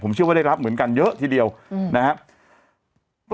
เชื่อว่าได้รับเหมือนกันเยอะทีเดียวนะครับ